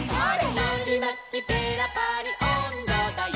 「のりまきペラパリおんどだよ」